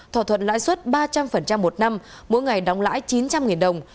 thỏa thuận lãi suất ba trăm linh một năm mỗi ngày đóng lãi chín trăm linh đồng